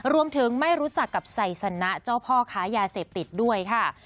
ไม่รู้จักกับไซสนะเจ้าพ่อค้ายาเสพติดด้วยค่ะ